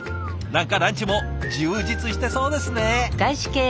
何かランチも充実してそうですね。